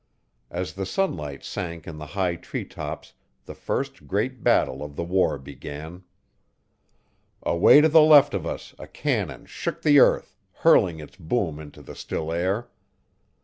As the sunlight sank in the high tree tops the first great battle of the war began. Away to the left of us a cannon shook the earth, hurling its boom into the still air.